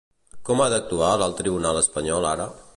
Com ha d'actuar l'alt tribunal espanyol ara?